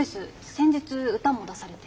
先日歌も出されて。